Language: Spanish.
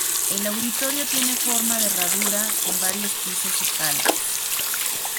El auditorio tiene forma de herradura con varios pisos y palcos.